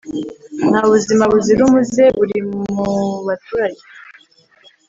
nta buzima buzira umuze buri mu baturage